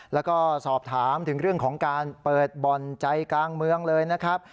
แล้วก็สอบถามถึงเรื่องของการเปิดบ่อนใจกลางเมืองเลยนะครับ